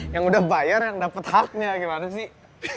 yang udah bayar yang dapat haknya gimana sih